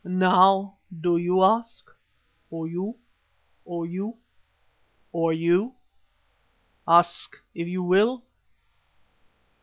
Now do you ask? Or you? Or you? Or you? Ask if you will."